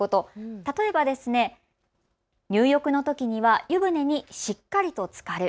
例えば、入浴のときには湯船にしっかりつかる。